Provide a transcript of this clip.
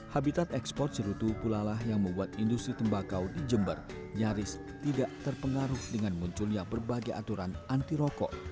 habitat ekspor cerutu pula lah yang membuat industri tembakau di jember nyaris tidak terpengaruh dengan munculnya berbagai aturan anti rokok